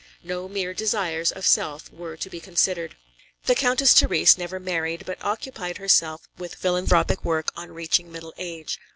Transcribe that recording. No mere desires of self were to be considered. The Countess Therese never married, but occupied herself with philanthropic work on reaching middle age.